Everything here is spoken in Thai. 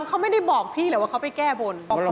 เขาไม่ได้บอกพี่หรอกว่าเขาไปแก้บน